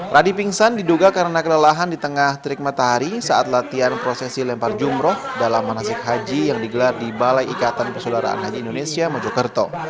radi pingsan diduga karena kelelahan di tengah terik matahari saat latihan prosesi lempar jumroh dalam manasik haji yang digelar di balai ikatan persaudaraan haji indonesia mojokerto